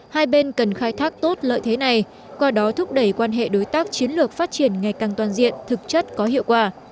hai bên cần khai thác tốt lợi thế này qua đó thúc đẩy quan hệ đối tác chiến lược phát triển ngày càng toàn diện thực chất có hiệu quả